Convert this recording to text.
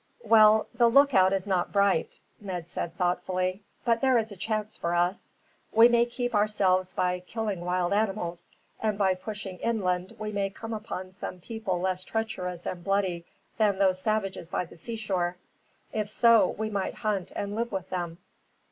"Well, the lookout is not bright," Ned said thoughtfully, "but there is a chance for us. We may keep ourselves by killing wild animals, and by pushing inland we may come upon some people less treacherous and bloody than those savages by the seashore. If so, we might hunt and live with them."